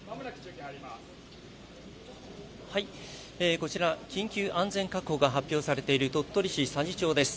こちら、緊急安全確保が発令されている鳥取県佐治町です。